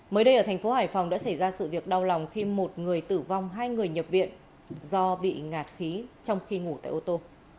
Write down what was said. mới đây ở thành phố hải phòng đã xảy ra sự việc đau lòng khi một người tử vong hai người nhập viện do bị ngạt khí trong khi ngủ tại ô tô